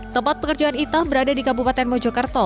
tempat pekerjaan ita berada di kabupaten mojokerto